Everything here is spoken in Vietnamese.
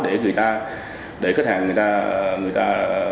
để khách hàng người ta